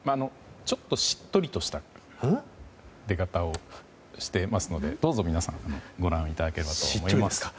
ちょっとしっとりとした出方をしていますのでどうぞ皆さんご覧いただければと思います。